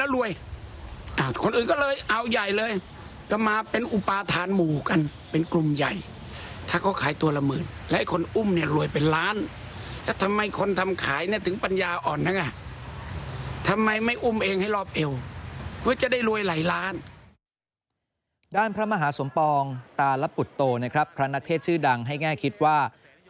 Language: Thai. ด้านพระมหาสมปองตาลปุตโตนะครับพระนักเทศชื่อดังให้แง่คิดว่า